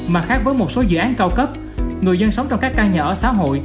mà khác với một số dự án cao cấp người dân sống trong các căn nhà ở xã hội